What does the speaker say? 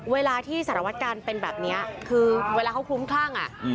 เวลาที่สารวัตการเป็นแบบนี้คือเวลาเขาคลุ้มคลั่ง